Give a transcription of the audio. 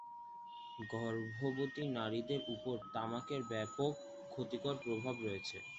গর্ভবতী নারীদের উপর তামাকের ব্যাপক ক্ষতিকর প্রভাব রয়েছে।